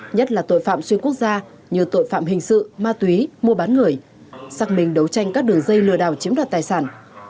nhất là tội phạm xuyên quốc gia như tội phạm hình sự ma túy mua bán người xác minh đấu tranh các đường dây lừa đảo chiếm đoạt tài sản